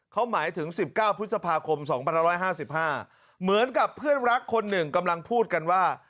เขาหมายถึง๑๙พฤษภาคม๒๕๕เหมือนกับเพื่อนรักคนหนึ่งกำลังพูดกันว่า